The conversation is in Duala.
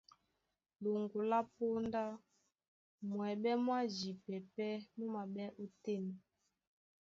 Ɗoŋgo lá póndá, mwɛɓɛ́ mwá jipɛ pɛ́ mú maɓɛ́ ótên.